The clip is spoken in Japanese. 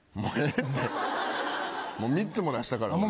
もう３つも出したからね。